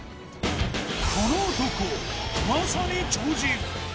この男、まさに超人。